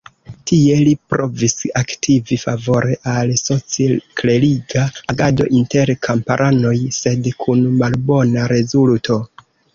Tie li provis aktivi favore al soci-kleriga agado inter kamparanoj, sed kun malbona rezulto.